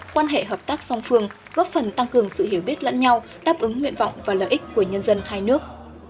quan hệ hợp tác song phương góp phần tăng cường sự hiểu biết lẫn nhau đáp ứng nguyện vọng và lợi ích của nhân dân hai nước